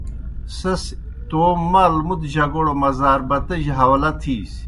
سیْس تومیْ مال مُتہ جگوڑ مضاربتِجیْ حاؤلہ تِھیسیْ۔